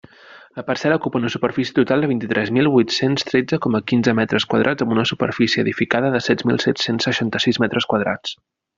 La parcel·la ocupa una superfície total de vint-i-tres mil huit-cents tretze coma quinze metres quadrats amb una superfície edificada de set mil set-cents seixanta-sis metres quadrats.